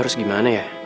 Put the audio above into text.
terus gimana ya